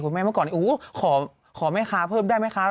เมื่อก่อนขอแม่ค้าเพิ่มได้ไหมคะ